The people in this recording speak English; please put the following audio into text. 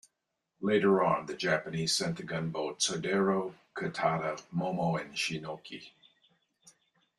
Later on the Japanese sent the gunboats "Hodero", "Katata", "Momo" and "Shinoki".